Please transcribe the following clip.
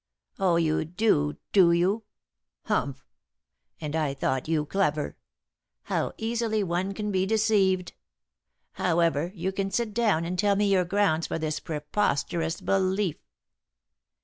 "Oh, you do, do you. Humph! And I thought you clever. How easily one can be deceived! However, you can sit down and tell me your grounds for this preposterous belief."